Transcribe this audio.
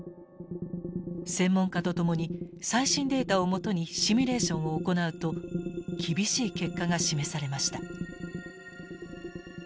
専門家と共に最新データを基にシミュレーションを行うと厳しい結果が示されました。